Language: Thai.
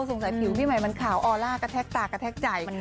สงสัยผิวพี่ใหม่มันขาวออลล่ากระแทกตากระแทกใจ